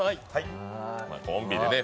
コンビでね